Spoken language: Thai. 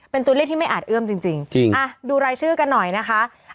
เป็นตัวเลขที่ไม่อาจเอื้อมจริงจริงอ่ะดูรายชื่อกันหน่อยนะคะ